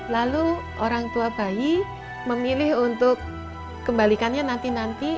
lalu orang tua bayi memilih untuk kembalikannya nanti nanti